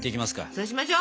そうしましょ！